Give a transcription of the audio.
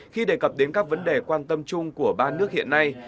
khi đề cập đến các vấn đề quan tâm chung của ba nước hiện nay